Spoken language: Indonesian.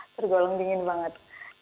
tergolong dingin banget